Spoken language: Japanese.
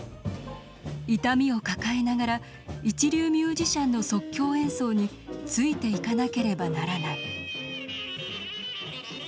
痛みを抱えながら一流ミュージシャンの即興演奏についていかなければならない。